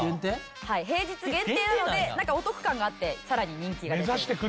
平日限定なのでなんかお得感があってさらに人気が出てる。